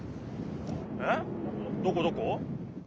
えっどこどこ？